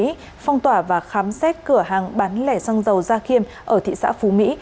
phong tỏa và khám xét cửa hàng bán lẻ xăng dầu gia khiêm ở thị xã phú mỹ